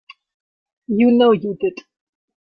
You know you did.